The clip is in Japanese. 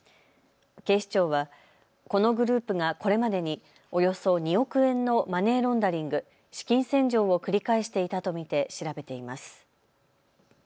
警視庁はこのグループがこれまでにおよそ２億円のマネーロンダリング・資金洗浄を繰り返していたと見て調べています。